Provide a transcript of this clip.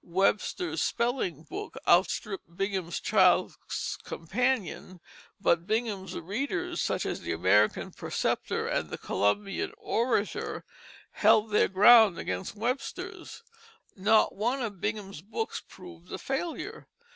Webster's Spelling Book outstripped Bingham's Child's Companion, but Bingham's Readers, such as The American Preceptor and The Columbian Orator held their ground against Webster's. Not one of Bingham's books proved a failure.